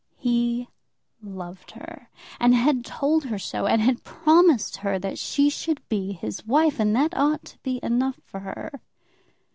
He loved her, and had told her so, and had promised her that she should be his wife, and that ought to be enough for her.